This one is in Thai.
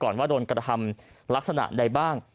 ว่าโดนกระทำลักษณะใดบ้าง